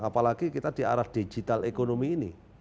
apalagi kita di arah digital ekonomi ini